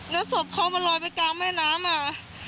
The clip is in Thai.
แล้วศพเขามันลอยไปกลางแม่น้ำอ่ะ